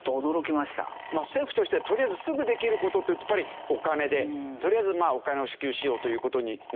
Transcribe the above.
まあ政府としてはとりあえずすぐできる事っていうとやっぱりお金でとりあえずお金を支給しようという事になってる。